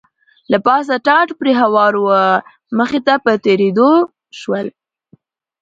له پاسه ټاټ پرې هوار و، مخې ته په تېرېدو شول.